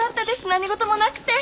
何事もなくて。